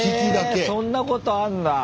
えそんなことあんだ。